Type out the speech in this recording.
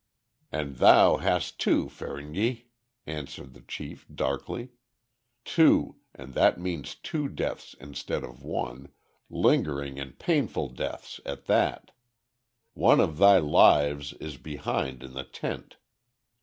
"And thou hast two, Feringhi," answered the chief, darkly. "Two, and that means two deaths instead of one, lingering and painful deaths at that. One of thy `lives' is behind in the tent.